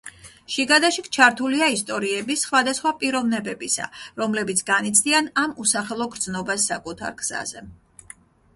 შიგადაშიგ ჩართულია ისტორიები სხვადასხვა პიროვნებებისა, რომლებიც განიცდიან ამ „უსახელო გრძნობას“ საკუთარ გზაზე.